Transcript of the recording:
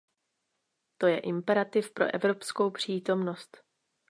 To je imperativ pro evropskou přítomnost.